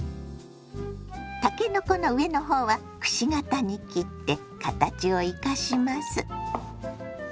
たけのこの上の方はくし形に切って形を生かします。